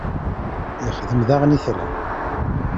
ixdem daɣen itran.